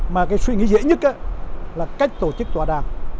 mà cái suy nghĩ dễ nhất là cách tổ chức tòa đàm